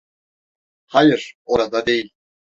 Hayır, orada değil.